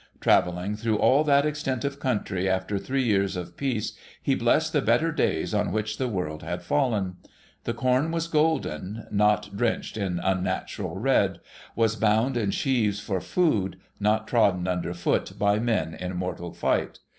Travelling through all that extent of country after three years of Peace, he blessed the better days on which the world had fallen. The corn was golden, not drenched in unnatural red ; was bound in sheaves for food, not trodden underfoot by men in mortal fight.